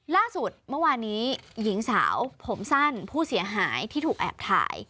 ล่าสุดเมื่อวานนี้หญิงสาวผมสั้นผู้เสียหายที่ถูกแอบถ่าย